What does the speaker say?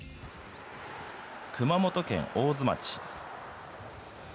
熊本県大津町。